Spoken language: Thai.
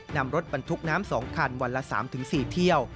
นำรถบรรทุกน้ำ๒คันวันละ๓๔เที่ยว